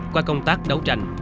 qua công tác đấu tranh